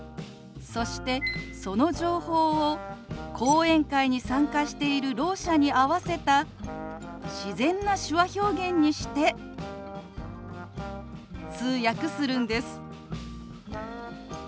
そしてその情報を講演会に参加しているろう者に合わせた自然な手話表現にして通訳するんです。